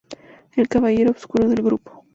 El caballero oscuro del grupo.